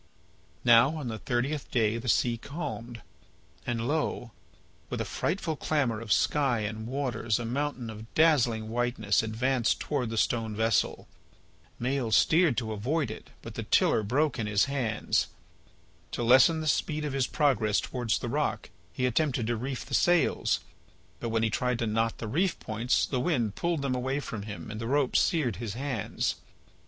Now on the thirtieth day the sea calmed. And lo! with a frightful clamour of sky and waters a mountain of dazzling whiteness advanced towards the stone vessel. Maël steered to avoid it, but the tiller broke in his hands. To lessen the speed of his progress towards the rock he attempted to reef the sails, but when he tried to knot the reef points the wind pulled them away from him and the rope seared his hands.